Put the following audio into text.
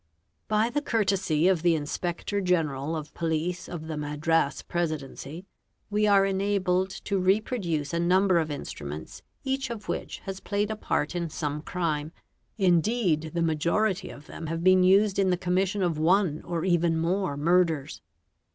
tf _ By the courtesy of the Inspector General of Police of the Madras Presidency we are enabled to reproduce a number of instruments each of which has played a part in some crime, indeed the majority of them have een used in the commission of one or even more murders.